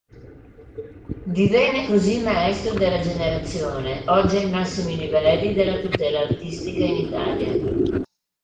Divenne così maestro della generazione oggi ai massimi livelli della tutela artistica in Italia.